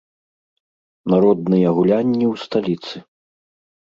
Народныя гулянні ў сталіцы.